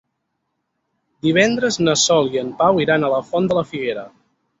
Divendres na Sol i en Pau iran a la Font de la Figuera.